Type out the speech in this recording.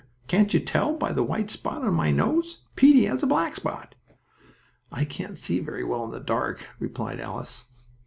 "Can't you tell by the white spot on my nose? Peetie has a black spot." "I can't see very well in the dark," replied Alice.